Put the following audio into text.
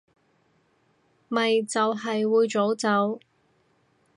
咪就係會早走